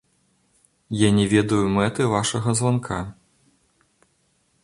Я не ведаю мэты вашага званка.